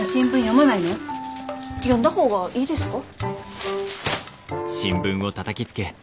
読んだ方がいいですか？